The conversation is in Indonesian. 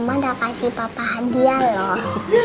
mama udah kasi papa hadiah loh